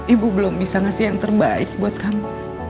ibu belum bisa ngasih yang terbaik buat kamu